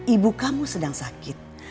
ibu kamu sedang sakit